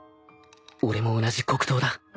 俺も同じ黒刀だ